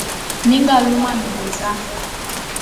Mi nga lumane beza?